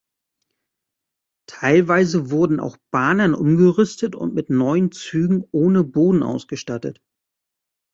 Teilweise wurden auch Bahnen umgerüstet und mit neuen Zügen ohne Boden ausgestattet.